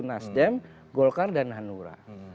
nasdem golkar dan hanura